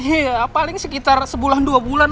iya paling sekitar sebulan dua bulan